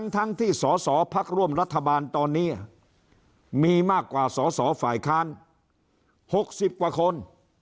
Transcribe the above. ทั้งที่สศพรรคร่วมรัฐบาลตอนนี้มีมากกว่าสศฝ่ายคารหกสิบกว่าคน